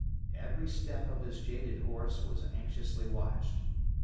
Every step of his jaded horse was anxiously watched.